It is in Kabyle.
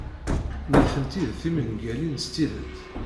Nitenti d tinemgalin s tidet.